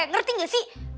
ngerti gak sih